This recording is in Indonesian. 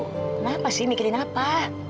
kenapa sih mikirin apa